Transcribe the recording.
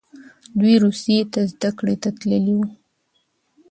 دوی روسیې ته زده کړې ته تللي وو.